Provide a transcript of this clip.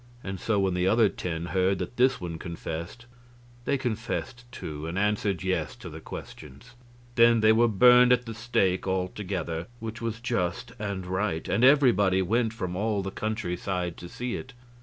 And so when the other ten heard that this one confessed, they confessed, too, and answered yes to the questions. Then they were burned at the stake all together, which was just and right; and everybody went from all the countryside to see it.